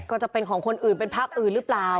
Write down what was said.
ก็จะเป็นของคนอื่นเป็นภาคอื่นหรือเปล่า